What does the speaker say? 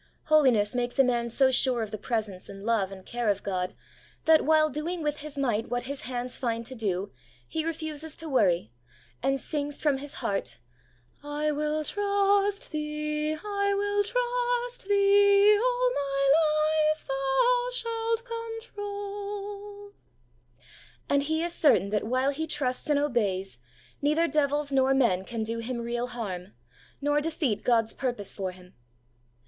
HOLINESS AND WORRY 75 Holiness makes a man so sure of the presence and love and care of God, that, while doing with his might what his hands find to do, he refuses to worry, and sings from his heart :— I will trust Thee, I will trust Thee, All my life Thou shalt control; and he is certain that while he trusts and obeys, neither devils nor men can do him real harm, nor defeat God's purpose for him.